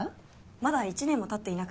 まだ１年もたっていなくて。